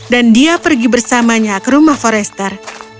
dan dia pergi bersamanya ke rumah forester